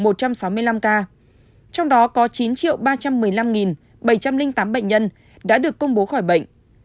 trong đó có chín ba trăm một mươi năm bảy trăm linh tám bệnh nhân đã được công bố khỏi bệnh